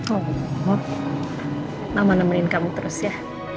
oh nama nemenin kamu terus ya